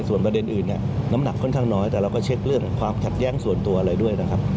ส่วนประเด็นอื่นเนี่ยน้ำหนักค่อนข้างน้อยแต่เราก็เช็คเรื่องความขัดแย้งส่วนตัวอะไรด้วยนะครับ